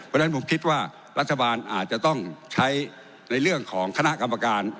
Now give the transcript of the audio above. เพราะฉะนั้นผมคิดว่ารัฐบาลอาจจะต้องใช้ในเรื่องของคณะกรรมการ